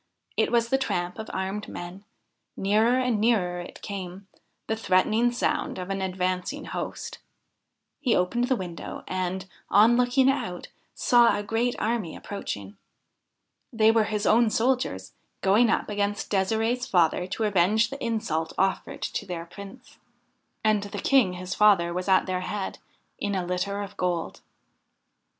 It was the tramp of armed men ; nearer and nearer it came the threatening sound of an advancing host. He opened the window, and, on looking out, saw a great army approaching. They were his own soldiers, going up against De'sirde's father to avenge the insult offered to their Prince. And the King his father was at their head, in a litter of gold.